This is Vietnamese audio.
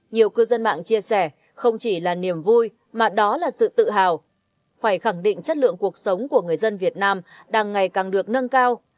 nhiều cư dân mạng chia sẻ không chỉ là niềm vui mà đó là sự tự hào phải khẳng định chất lượng cuộc sống của người dân việt nam đang ngày càng được nâng cao